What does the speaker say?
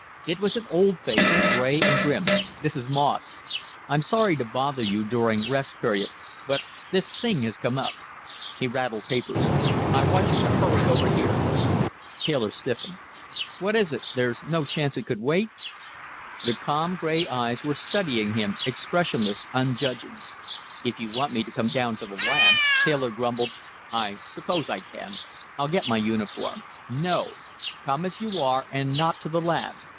It was an old face, gray and grim. "This is Moss. I'm sorry to bother you during Rest Period, but this thing has come up." He rattled papers. "I want you to hurry over here." Taylor stiffened. "What is it? There's no chance it could wait?" The calm gray eyes were studying him, expressionless, unjudging. "If you want me to come down to the lab," Taylor grumbled, "I suppose I can. I'll get my uniform " "No. Come as you are. And not to the lab.